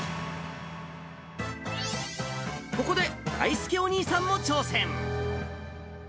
ここで、だいすけお兄さんも挑戦。